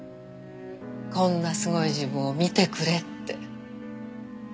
こんなすごい自分を見てくれって。